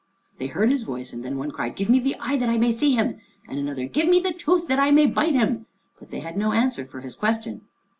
They heard his voice, and then one cried, "Give me the eye that I may see him," and another, "Give me the tooth that I may bite him," but they had no answer for his question.